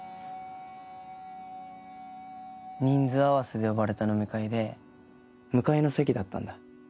人数合わせで呼ばれた飲み会で向かいの席だったんだ。